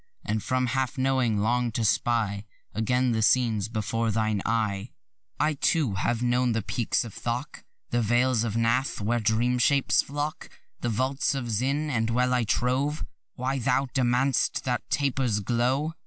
And from half knowing long to spy Again the scenes before thine eye. I, too, have known the peaks of Thok; The vales of Pnath, where dream shapes flock; The vaults of Zinâand well I trow Why thou demand'st that taper's glow.